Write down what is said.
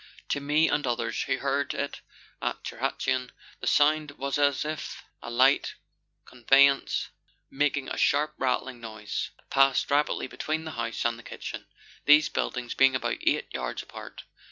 To me and others who heard it at Tirhatuan, the sound was as if a light conveyance, making a sharp rattling noise, had passed rapidly between the house and the kitchen these buildings being about eight yards apart.